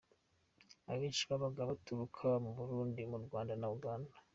Abenshi babaga baturuka mu Burundi, mu Rwanda na Uganda.”